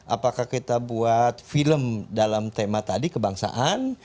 apakah kita buat film dalam tema tadi kebangsaan